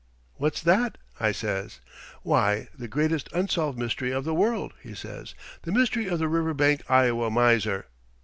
"'What's that?' I says. "'Why, the greatest unsolved mystery of the world,' he says. 'The mystery of the Riverbank, Iowa, miser.'